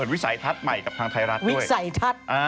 วิสัยทัศน์ใหม่กับทางไทยรัฐด้วย